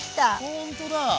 ほんとだ！